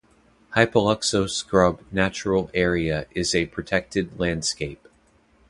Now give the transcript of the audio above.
Hypoluxo Scrub Natural Area is a protected landscape.